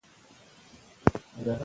منفي تبصرې مه خپروه.